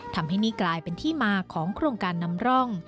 ทำให้นี่กลายเป็นที่มาของโครงการนำร่อง